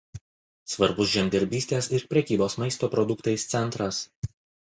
Svarbus žemdirbystės ir prekybos maisto produktais centras.